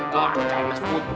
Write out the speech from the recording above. jangan mas put